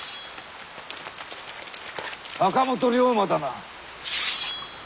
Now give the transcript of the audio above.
坂本龍馬だな？